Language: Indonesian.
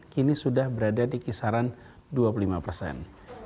kini sudah berada di kisaran dua puluh lima persen